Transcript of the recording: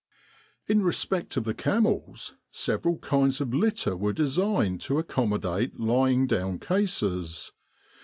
In respect of the camels, several kinds of litter were designed to accommodate lying down cases.